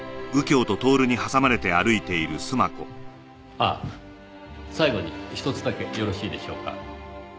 あっ最後にひとつだけよろしいでしょうか？